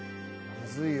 むずいよ。